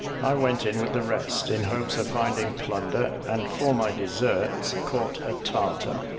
I went in with the rest, in hopes of finding plunder, and for my deserts caught a Tartar.